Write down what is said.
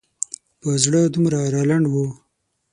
په زړه دومره رالنډ و.